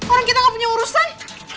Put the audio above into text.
orang kita gak punya urusan